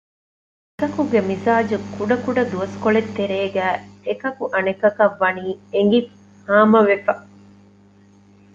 އެކަކުގެ މިޒާޖު ކުޑަ ކުޑަ ދުވަސްކޮޅެއްގެ ތެރޭގައި އެކަކު އަނެކަކަށް ވަނީ އެނގި ހާމަވެފަ